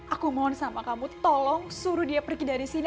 aku mohon sama kamu tolong suruh dia pergi dari sini